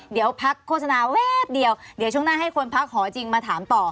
เดี๋ยวพักโฆษณาแวบเดียวเดี๋ยวช่วงหน้าให้คนพักหอจริงมาถามต่อ